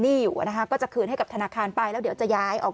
อยู่นะคะก็จะคืนให้กับธนาคารไปแล้วเดี๋ยวจะย้ายออก